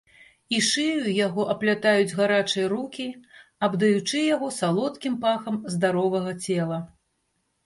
І шыю яго аплятаюць гарачыя рукі, абдаючы яго салодкім пахам здаровага цела.